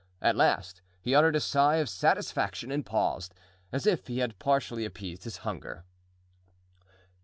At last he uttered a sigh of satisfaction and paused, as if he had partially appeased his hunger.